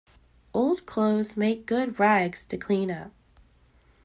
Old clothes make good rags to clean-up.